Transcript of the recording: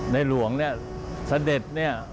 ในหลวงสเด็จเนี่ย